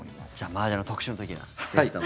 マージャンの特集の時にはぜひとも。